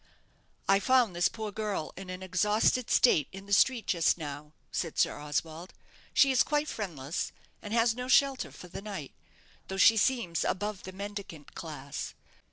"I found this poor girl in an exhausted state in the street just now," said Sir Oswald. "She is quite friendless, and has no shelter for the night, though she seems above the mendicant class.